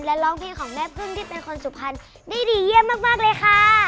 และร้องเพลงของแม่พึ่งที่เป็นคนสุพรรณได้ดีเยี่ยมมากเลยค่ะ